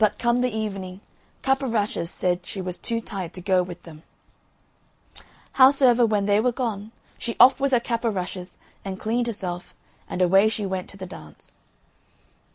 But, come the evening, Cap o' Rushes said she was too tired to go with them. Howsoever, when they were gone, she offed with her cap o' rushes and cleaned herself, and away she went to the dance.